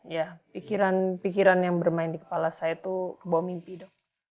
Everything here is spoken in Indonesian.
ya pikiran pikiran yang bermain di kepala saya itu kebal mimpi dok